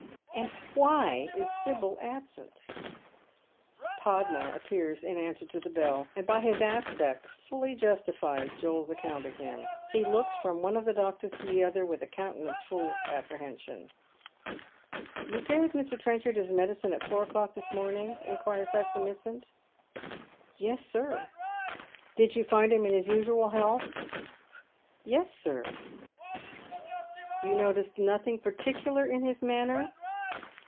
And why is Sibyl absent ? Podmore appears in answer to the bell, and by his aspect fully justifies Joel's account of him. He looks from one of the doctors to the other with a countenance full of appreliension. " You gave Mr. Trenchard his medicine at four o'clock iliia feiomine: ?" inauires Dr. Mitsand. DarTe Surmises. VXL «Yfifl, sir." " Did you find him in his usual health ?" "Yes, sir." " You noticed nothing particular in his manner?"